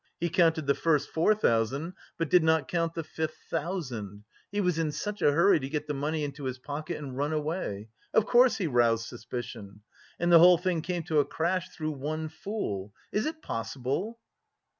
He counted the first four thousand, but did not count the fifth thousand he was in such a hurry to get the money into his pocket and run away. Of course he roused suspicion. And the whole thing came to a crash through one fool! Is it possible?"